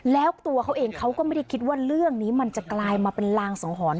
แล้วตัวเขาเองเขาก็ไม่ได้คิดว่าเรื่องนี้มันจะกลายมาเป็นลางสังหรณ์